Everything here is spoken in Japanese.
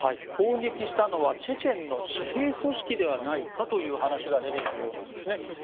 攻撃したのはチェチェンの私兵組織ではないかという話が出ているようなんです。